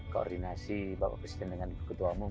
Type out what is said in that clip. koordinasi bapak presiden dengan ibu ketua umum